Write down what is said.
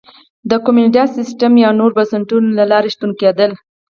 د کومېنډا سیستم یا نورو بنسټونو له لارې شتمن کېدل